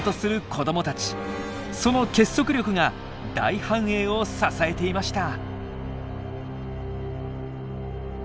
その結束力が大繁栄を支えていました。